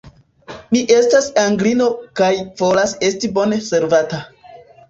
Mi estas Anglino, kaj volas esti bone servata.